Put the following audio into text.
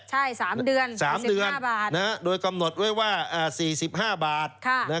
ใช่๓เดือน๓เดือน๕บาทโดยกำหนดไว้ว่า๔๕บาท